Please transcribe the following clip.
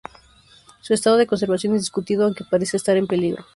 Su estado de conservación es discutido, aunque parece estar en peligro.